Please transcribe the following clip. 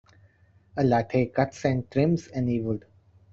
A lathe cuts and trims any wood.